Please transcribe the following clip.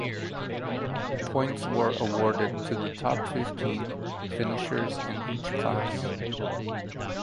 Points were awarded to the top fifteen finishers in each class.